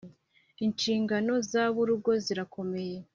Inshingano z aburugo zirakomeye